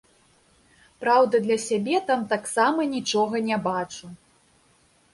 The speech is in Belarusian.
Праўда, для сябе там таксама нічога не бачу.